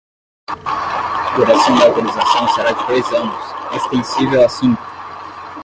A duração da autorização será de dois anos, extensível a cinco.